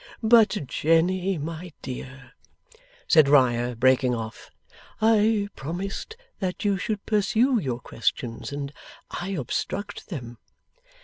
But Jenny, my dear,' said Riah, breaking off, 'I promised that you should pursue your questions, and I obstruct them.